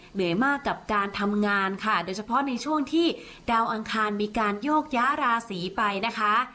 เหนื่อยมากกับการทำงานค่ะโดยเฉพาะในช่วงที่ดาวอังคารมีการโยกย้าราศีไปนะคะ